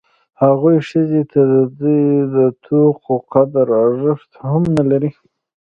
هغوی ښځې ته د دوه توتو قدر ارزښت هم نه لري.